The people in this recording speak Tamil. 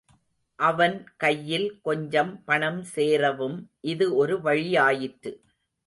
அவன் கையில் கொஞ்சம் பணம் சேரவும் இது ஒரு வழியாயிற்று.